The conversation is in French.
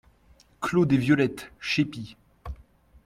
Clos des Violettes, Chépy